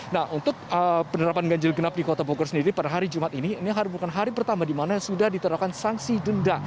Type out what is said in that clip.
nah untuk penerapan ganjil genap di kota bogor sendiri pada hari jumat ini ini bukan hari pertama di mana sudah diterapkan sanksi denda